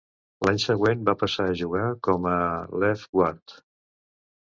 L'any següent va passar a jugar com a "left guard".